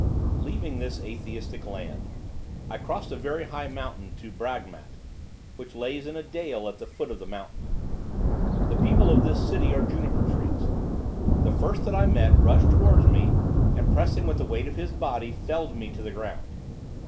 Leaving this atheistic land, I crossed a very high mountain to Bragmat, which lays in a dale at the foot of the mountain. The people of this city are juniper trees. The first that I met rushed towards me, and pressing with the weight of his body, felled me to the ground.